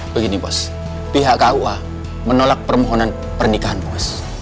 begini bos pihak kua menolak permohonan pernikahan bos